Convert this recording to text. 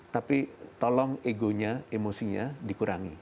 tapi tolong ego nya emosinya dikurangi